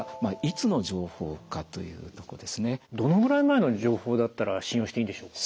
どのぐらい前の情報だったら信用していいんでしょうか？